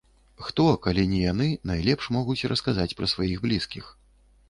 Хто, калі не яны, найлепш могуць расказаць пра сваіх блізкіх.